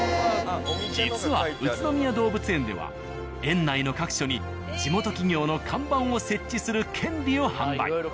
実は宇都宮動物園では園内の各所に地元企業の看板を設置する権利を販売。